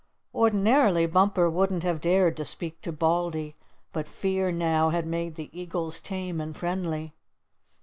Ordinarily Bumper wouldn't have dared to speak to Baldy, but fear now had made the Eagles tame and friendly.